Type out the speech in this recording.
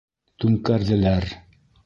Түңкәрҙеләр.